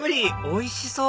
おいしそう